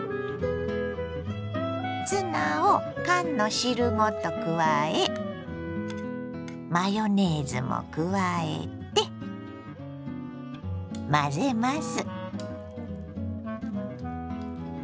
ツナを缶の汁ごと加えマヨネーズも加えて混ぜます。